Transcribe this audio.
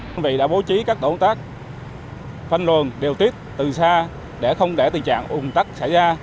đơn vị đã bố trí các tổ tác phân luồng điều tiết từ xa để không để tình trạng ủng tắc xảy ra